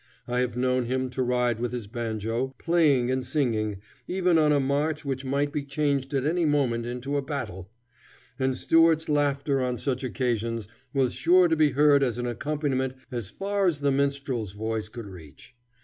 I have known him to ride with his banjo, playing and singing, even on a march which might be changed at any moment into a battle; and Stuart's laughter on such occasions was sure to be heard as an accompaniment as far as the minstrel's voice could reach.